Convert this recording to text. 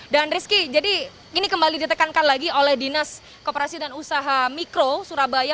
dan rizky jadi ini kembali ditekankan lagi oleh dinas koperasi dan usaha mikro surabaya